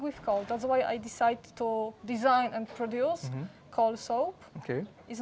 itulah sebabnya saya memutuskan untuk mengerjakan dan memproduksi sabun kain